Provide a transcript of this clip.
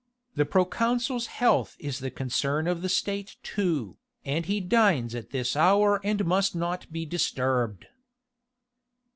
"The proconsul's health is the concern of the State too, and he dines at this hour and must not be disturbed."